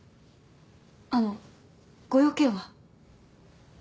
あのご用件は？